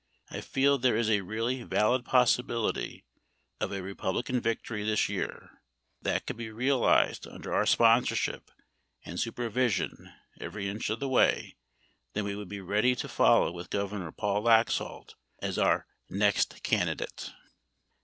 I feel there is a really valid possibility of a Republican victory this year. If that could he realized under our sponsorship and supervision every inch of the way then we would be ready to follow with Gov. Paul Laxalt as our next candidate.